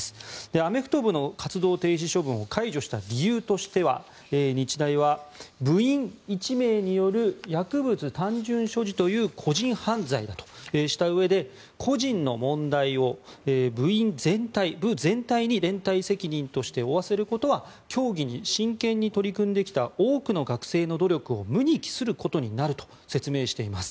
アメフト部の活動停止処分を解除した理由としては日大は、部員１名による薬物単純所持という個人犯罪だとしたうえで個人の問題を部員全体、部全体に連帯責任として負わせることは競技に真剣に取り組んできた多くの学生の努力を無に帰することになると説明しています。